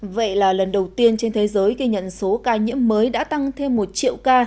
vậy là lần đầu tiên trên thế giới ghi nhận số ca nhiễm mới đã tăng thêm một triệu ca